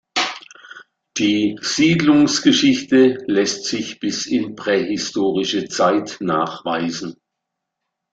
Die Siedlungsgeschichte lässt sich bis in prähistorische Zeit nachweisen.